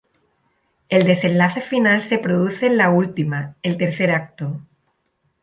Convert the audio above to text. El desenlace final se produce en la última, el tercer acto.